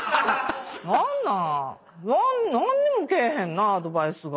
何にもけえへんなアドバイスが。